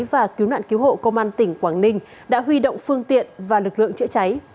và cứu nạn cứu hộ công an tỉnh quảng ninh đã huy động phương tiện và lực lượng chữa cháy